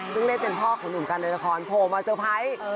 ซึ่งเล่นเป็นพ่อของหนุ่มกันในละครโผล่มาเซอร์ไพรส์